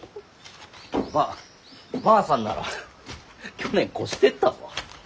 ばばあさんなら去年越してったぞ。